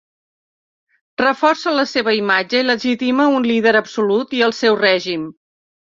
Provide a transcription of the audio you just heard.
Reforça la seva imatge i legitima un líder absolut i el seu règim.